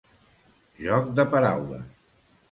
Joc de paraules.